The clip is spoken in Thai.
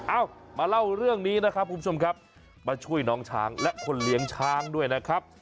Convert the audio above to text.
เอามาเล่าเรื่องนี้นะครับคุณผู้ชมครับมาช่วยน้องช้างและคนเลี้ยงช้างด้วยนะครับ